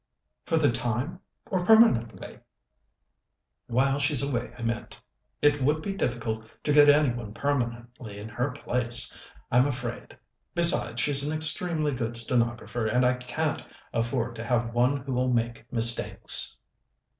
"For the time or permanently?" "While she's away, I meant. It would be difficult to get any one permanently in her place, I'm afraid. Besides, she's an extremely good stenographer, and I can't afford to have one who'll make mistakes."